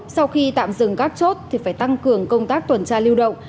sau khi tạm dừng các chốt thì phải tăng cường công tác tuần tra lưu động